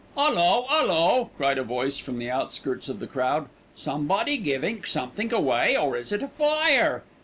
"'Ullo, 'ullo!" cried a voice from the outskirts of the crowd. "Somebody givin' somethink away, or is it a fire?